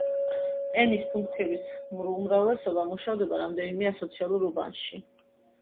ენის ფუნქციების უმრავლესობა მუშავდება რამდენიმე ასოციაციურ უბანში.